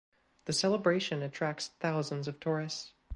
The celebration attracts thousands of tourists.